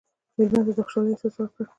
مېلمه ته د خوشحالۍ احساس ورکړه.